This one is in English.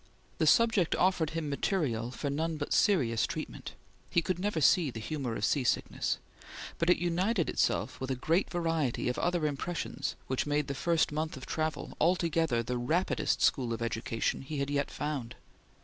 The subject offered him material for none but serious treatment; he could never see the humor of sea sickness; but it united itself with a great variety of other impressions which made the first month of travel altogether the rapidest school of education he had yet found.